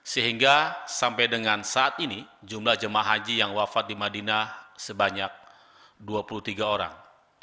sehingga sampai dengan saat ini jumlah jemaah haji yang wafat di madinah sebanyak dua puluh tiga orang